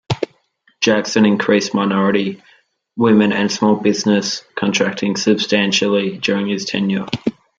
Jackson increased minority, women and small business contracting substantially during his tenure.